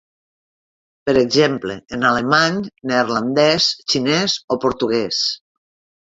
Per exemple, en alemany, neerlandès, xinès o portuguès.